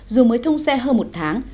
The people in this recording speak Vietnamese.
dù mới thông xe hơn một tháng